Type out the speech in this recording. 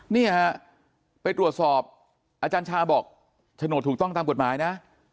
เนี่ยฮะไปตรวจสอบอาจารย์ชาบอกโฉนดถูกต้องตามกฎหมายนะ